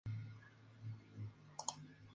Todas fueron compuestas por Prince.